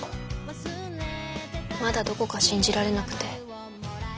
まだどこか信じられなくて。